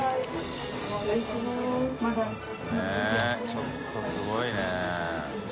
ちょっとすごいね。